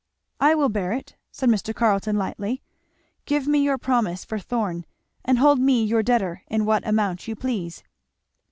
"I will bear it," said Mr. Carleton lightly. "Give me your promise for Thorn and hold me your debtor in what amount you please."